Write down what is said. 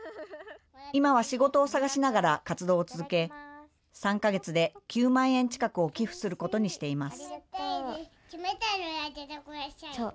今は仕事を探しながら活動を続け、３か月で９万円近くを寄付することにしています。